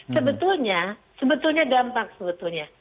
sebetulnya sebetulnya gampang sebetulnya